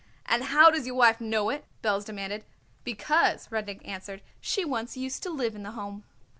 "And how does your wife know it?" Belz demanded. "Because," Rudnik answered, "she once used to live in the Home."